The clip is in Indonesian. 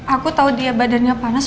aku tahu dia badannya panas